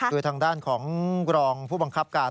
คือทางด้านของรองผู้บังคับการ